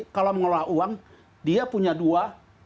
kalau mengelola uang dia punya dua